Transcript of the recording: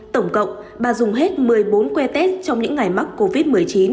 tổng cộng bà dùng hết một mươi bốn que tét trong những ngày mắc covid một mươi chín